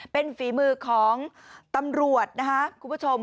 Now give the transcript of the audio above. เป็นฝีมือของตำรวจนะคะคุณผู้ชม